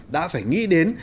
đã phải nghĩ đến